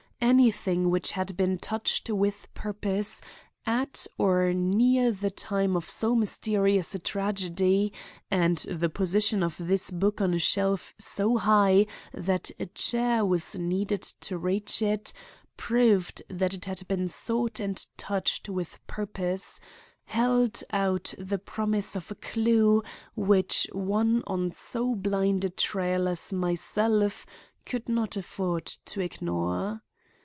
Anything which had been touched with purpose at or near the time of so mysterious a tragedy,—and the position of this book on a shelf so high that a chair was needed to reach it proved that it had been sought and touched with purpose, held out the promise of a clue which one on so blind a trail as myself could not afford to ignore.